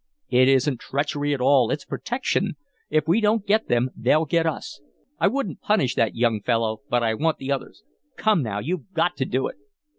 "It isn't treachery at all, it's protection. If we don't get them, they'll get us. I wouldn't punish that young fellow, but I want the others. Come, now, you've got to do it."